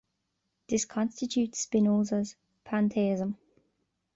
This constitutes Spinoza's "Pantheism".